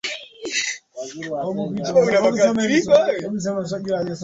Usiku bei ni karibu dola thelathini